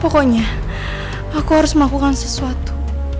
pokoknya aku harus melakukan sesuatu